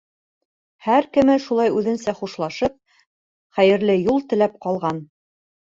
Һәр кеме шулай үҙенсә хушлашып, хәйерле юл теләп ҡалған.